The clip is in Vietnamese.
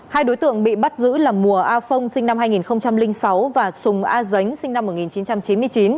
hai đối tượng bị bắt giữ là mùa a phong sinh năm hai nghìn sáu và sùng a dính sinh năm một nghìn chín trăm chín mươi chín